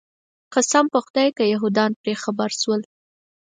قسم په خدای که یهودان پرې خبر شول.